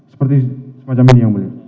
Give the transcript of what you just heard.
seperti semacam ini yang mulia